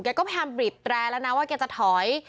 แกก็แพงบิดแรงแล้วนะว่าจะถอย